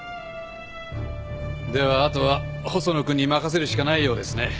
ではあとは細野君に任せるしかないようですね。